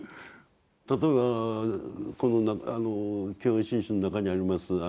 例えばこの「教行信証」の中にあります